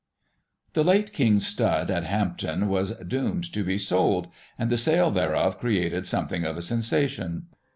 The late King's stud at Hampton was doomed to be sold, and the sale thereof created something of a sensation.